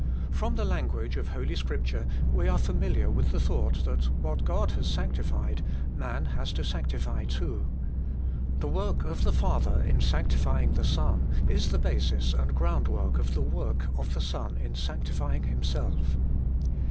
From the language of Holy Scripture we are familiar with the thought that, what God has sanctified, man has to sanctify too. The work of the Father, in sanctifying the Son, is the basis and groundwork of the work of the Son in sanctifying Himself.